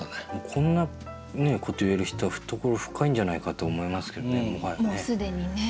こんなこと言える人は懐深いんじゃないかと思いますけどねもはやね。